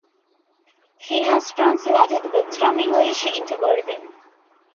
He has translated books from English into Urdu.